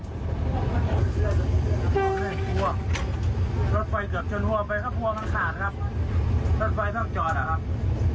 รถไฟเกือบเชิญหัวไปรถไฟมันขาดครับรถไฟต้องจอดเหรอครับ